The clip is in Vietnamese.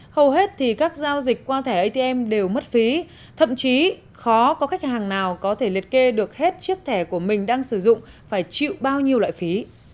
hầu hết thì các giao dịch qua thẻ atm đều mất phí thậm chí khó có khách hàng nào có thể liệt kê được hết chiếc thẻ của mình đang sử dụng phải chịu bao nhiêu loại phí